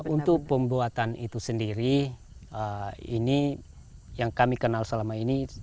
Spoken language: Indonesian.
untuk pembuatan itu sendiri ini yang kami kenal selama ini